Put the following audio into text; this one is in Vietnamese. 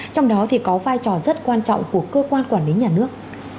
trong đó thì có vai trò rất quan trọng của cơ quan quản lý nhà nước